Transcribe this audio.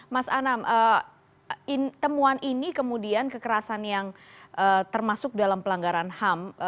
mas anam temuan ini kemudian kekerasan yang termasuk dalam pelanggaran ham